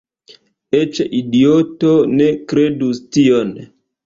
Eĉ idioto ne kredus tion.